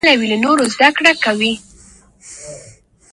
استاد په شاګرد کي د مسؤلیت منلو او مشرۍ کولو وړتیا پیدا کوي.